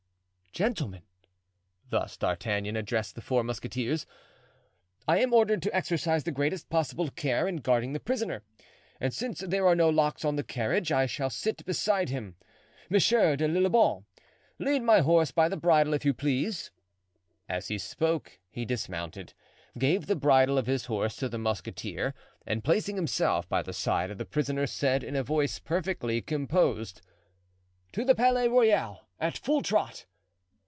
"Gentlemen," thus D'Artagnan addressed the four musketeers, "I am ordered to exercise the greatest possible care in guarding the prisoner, and since there are no locks to the carriage, I shall sit beside him. Monsieur de Lillebonne, lead my horse by the bridle, if you please." As he spoke he dismounted, gave the bridle of his horse to the musketeer and placing himself by the side of the prisoner said, in a voice perfectly composed, "To the Palais Royal, at full trot."